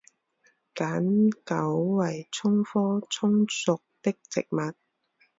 碱韭为葱科葱属的植物。